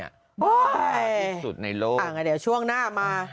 อ้าวอีกสุดในโลกอ่าวเดี๋ยวช่วงหน้ามา